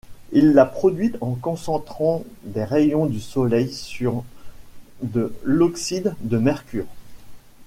Il l'a produite en concentrant des rayons du soleil sur de l'oxyde de mercure.